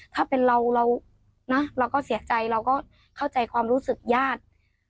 ถ้าเป็นเราเรานะเราก็เสียใจเราก็เข้าใจความรู้สึกญาติ